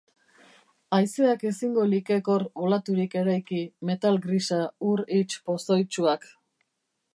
Haizeak ezingo likek hor olaturik eraiki, metal grisa, ur hits pozoitsuak.